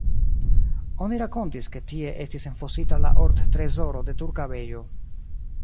Oni rakontis, ke tie estis enfosita la ortrezoro de turka bejo.